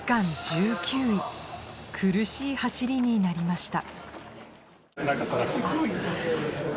苦しい走りになりました